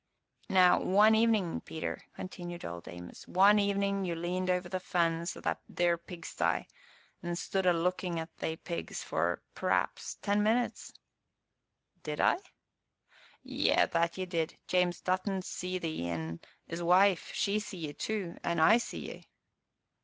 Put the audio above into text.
"Now, one evenin', Peter," continued Old Amos, "one evenin' you leaned over the fence o' that theer pigsty an' stood a lookin' at they pigs for, p'r'aps, ten minutes." "Did I?" "Ay, that ye did James Dutton see ye, an' 'is wife, she see ye tu, and I see ye."